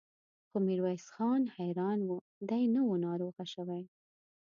خو ميرويس خان حيران و، دی نه و ناروغه شوی.